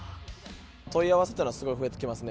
問い合わせっていうのは、すごい増えてきますね。